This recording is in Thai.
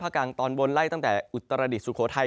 ภาคกลางตอนบนไล่ตั้งแต่อุตรดิสุโครไทย